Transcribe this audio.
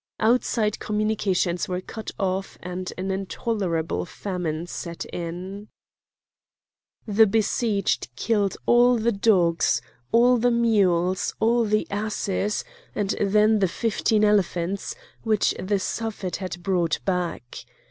Outside communications were cut off and an intolerable famine set in. The besieged killed all the dogs, all the mules, all the asses, and then the fifteen elephants which the Suffet had brought back.